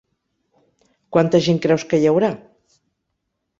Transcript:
Quanta gent creus que hi haurà?